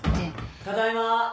・・ただいま。